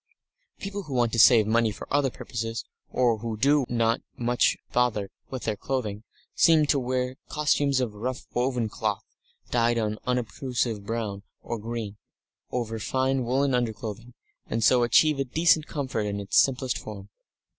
People who want to save money for other purposes, or who do not want much bother with their clothing, seem to wear costumes of rough woven cloth, dyed an unobtrusive brown or green, over fine woollen underclothing, and so achieve a decent comfort in its simplest form.